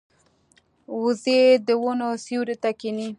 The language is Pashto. وزې د ونو سیوري ته کیني